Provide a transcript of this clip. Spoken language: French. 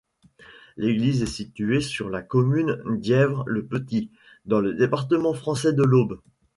L'église est située sur la commune d'Yèvres-le-Petit, dans le département français de l'Aube.